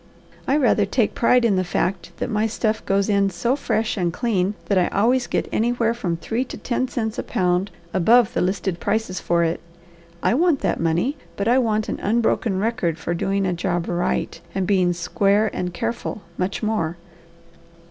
I rather take pride in the fact that my stuff goes in so fresh and clean that I always get anywhere from three to ten cents a pound above the listed prices for it. I want that money, but I want an unbroken record for doing a job right and being square and careful, much more."